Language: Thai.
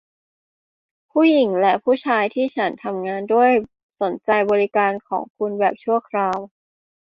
ผู้หญิงและผู้ชายที่ฉันทำงานด้วยสนใจบริการของคุณแบบชั่วคราว